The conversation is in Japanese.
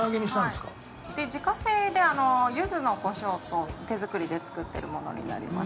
で自家製で柚子の胡椒と手作りで作ってるものになります。